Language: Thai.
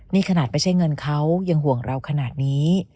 นี่ขนาดไม่ใช่เงินเขายังห่วงเราขนาดนี้